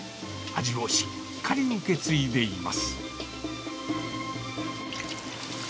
味をしっかり受け継いでいます。